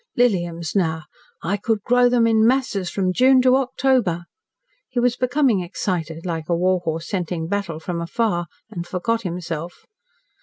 Liliums, now, I could grow them in masses from June to October." He was becoming excited, like a war horse scenting battle from afar, and forgot himself.